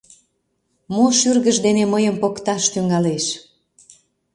Мо шӱргыж дене мыйым покташ тӱҥалеш?